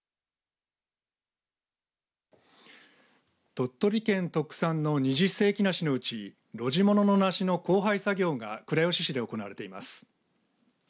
鳥取県特産の二十世紀梨のうち露地物の梨の交配作業が倉吉市で行われています。